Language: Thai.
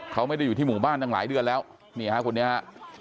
เขาไม่ได้อยู่ที่หมู่บ้านตั้งหลายเดือนแล้วนี่ฮะคนนี้ฮะ